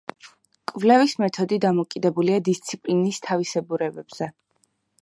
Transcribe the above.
კვლევის მეთოდი დამოკიდებულია დისციპლინის თავისებურებებზე.